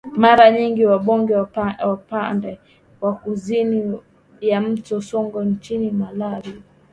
Mara nyingi Wagonde upande wa kusini ya mto Songwe nchini Malawi